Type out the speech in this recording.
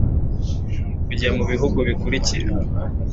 kujya mu bihugu bikurikira